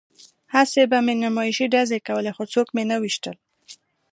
هسې به مې نمایشي ډزې کولې خو څوک مې نه ویشتل